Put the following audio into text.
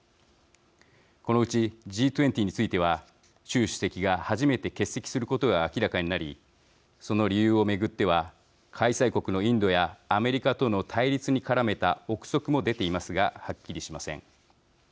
このうち、Ｇ２０については習主席が初めて欠席することが明らかになりその理由を巡っては開催国のインドやアメリカとの対立に絡めた臆測も出ていますがはっきりしません。